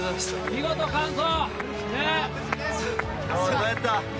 見事完走。